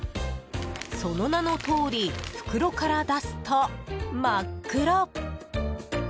その名のとおり袋から出すと、真っ黒。